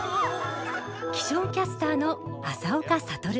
気象キャスターの朝岡覚。